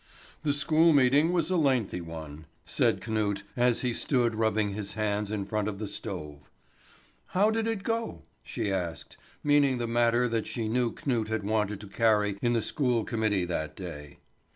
"The school meeting was a lengthy one," said Knut, as he stood rubbing his hands in front of the stove. "How did it go?" she asked, meaning the matter that she knew Knut had wanted to carry in the school committee that day.